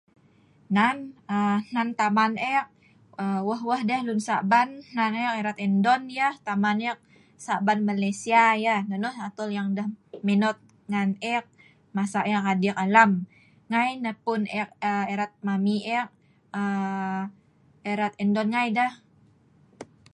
Hnan taman eek weh-weh deh lun Saban, hnan eek erat Indon yeh, taman eek saban Malaysia yeh. Nonoh atol yg deh menot ngan eek masa eek adik alam. Ngai nah pun' eek erat mami eek erat indon ngai deh.